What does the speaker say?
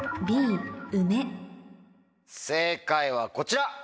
正解はこちら！